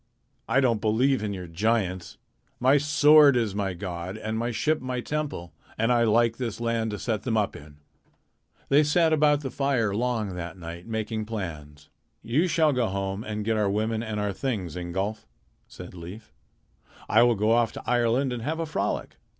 I don't believe in your giants. My sword is my god, and my ship is my temple, and I like this land to set them up in." They sat about the fire long that night making plans. "You shall go home and get our women and our things, Ingolf," said Leif. "I will off to Ireland and have a frolic.